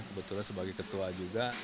kebetulan sebagai ketua juga